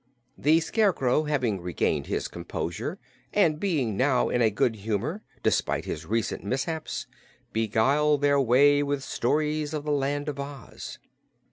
The Scarecrow, having regained his composure and being now in a good humor, despite his recent mishaps, beguiled their way with stories of the Land of Oz.